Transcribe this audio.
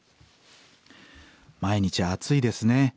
「毎日暑いですね。